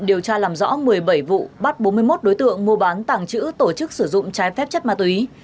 điều tra làm rõ một mươi bảy vụ bắt bốn mươi một đối tượng mua bán tàng trữ tổ chức sử dụng trái phép chất ma túy